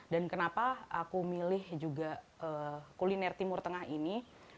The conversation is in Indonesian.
dan kenapa aku milih juga kuliner timur tengah ini